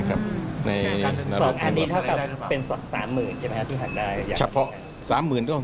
๒อันนี้เท่ากับเป็นสด๓๐๐๐๐ใช่ไหมครับที่หากได้